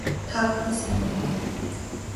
Та бүхэн сайн байна уу